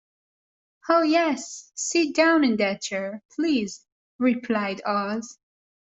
"Oh, yes; sit down in that chair, please," replied Oz.